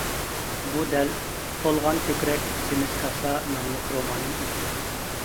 بۇ دەل ‹ ‹تولغان كۆكرەك، سېمىز كاسا› › ناملىق رومانىم ئىدى.